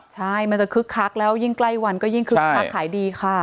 ใช่มันจะคึกคักแล้วยิ่งใกล้วันก็ยิ่งคึกคักขายดีค่ะ